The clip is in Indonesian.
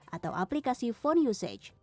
atau aplikasi phone